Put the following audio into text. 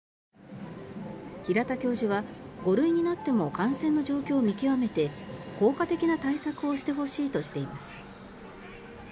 平田教授は、５類になっても感染の状況を見極めて効果的な対策をしてほしいとしています。